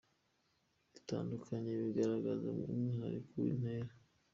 bitandukanye bigaragaza umwihariko n’intera.